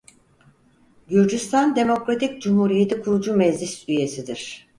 Gürcistan Demokratik Cumhuriyeti Kurucu Meclisi üyesidir.